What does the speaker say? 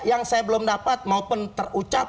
yang saya belum dapat maupun terucap